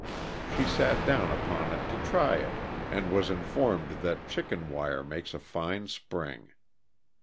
She sat down upon it to try it, and was informed that chicken wire makes a fine spring.